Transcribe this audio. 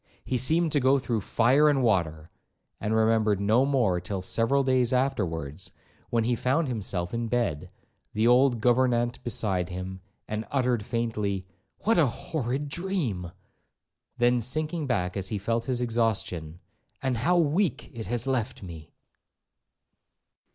'He seemed to go through fire and water,' and remembered no more till several days afterwards, when he found himself in bed, the old gouvernante beside him, and uttered faintly, 'What a horrid dream!' then sinking back as he felt his exhaustion, 'and how weak it has left me!'